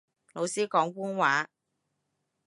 老師講官話